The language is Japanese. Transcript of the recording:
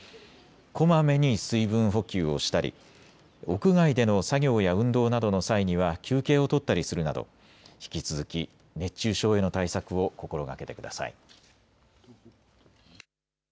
こまめに水分補給をしたり屋外での作業や運動などの際には休憩を取ったりするなど引き続き熱中症への対策を心がけてください。